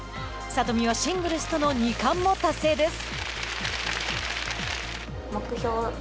里見はシングルスとの２冠も達成です。